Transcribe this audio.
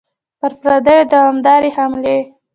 پر پردیو دوامدارې حملې.